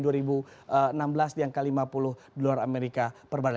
di angka lima puluh dolar amerika per barrel